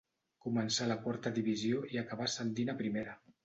Començà a la quarta divisió i acabà ascendint a primera.